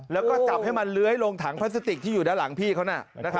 แล้วจับให้มาลื้อยลงถังพลาสสติกที่อยู่หลังพี่นะ